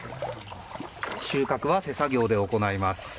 収穫は手作業で行います。